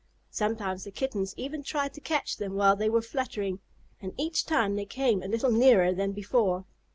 Sometimes the Kittens even tried to catch them while they were fluttering, and each time they came a little nearer than before.